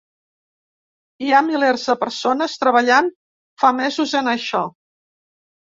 Hi ha milers de persones treballant fa mesos en això.